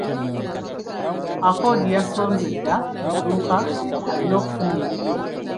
Accord yasonze dda mu dduuka alinda kufuna bibye.